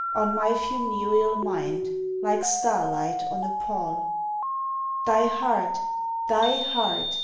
on my funereal mind Like starlight on a pall Thy heart thy heart!